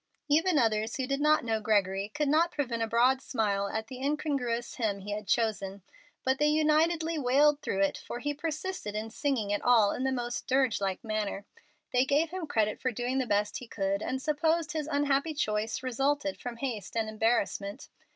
Even others who did not know Gregory could not prevent a broad smile at the incongruous hymn he had chosen, but they unitedly wailed it through, for he persisted in singing it all in the most dirge like manner. They gave him credit for doing the best he could, and supposed his unhappy choice resulted from haste and embarrassment.